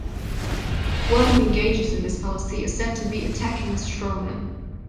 One who engages in this fallacy is said to be "attacking a straw man".